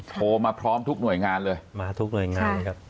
โทรมาพร้อมทุกหน่วยงานเลยมาทุกหน่วยงานเลยครับ